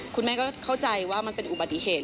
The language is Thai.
คุณแม่ก็เข้าใจว่ามันเป็นอุบัติเหตุ